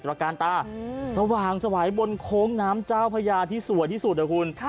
รการตาสว่างสวัยบนโค้งน้ำเจ้าพญาที่สวยที่สุดนะคุณ